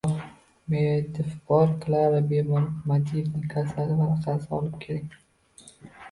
— Bor, Madiev bor. Klara, bemor Madievning kasallik varaqasini olib keling!